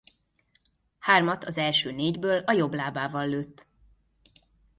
Hármat az első négyből a jobb lábával lőtt.